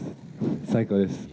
最高です。